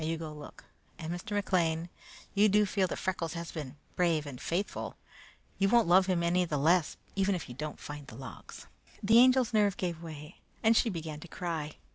Now, you go look; and Mr. McLean, you do feel that Freckles has been brave and faithful? You won't love him any the less even if you don't find the logs." The Angel's nerve gave way and she began to cry.